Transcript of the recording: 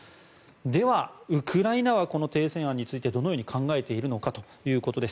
では、ウクライナはこの停戦案についてどのように考えているのかということです。